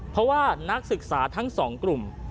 เพราะว่านักศึกษาทั้งสองกลุ่ม